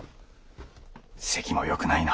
せきもよくないな。